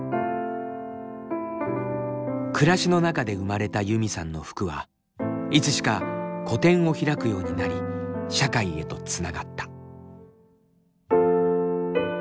暮らしの中で生まれたユミさんの服はいつしか個展を開くようになり社会へとつながった。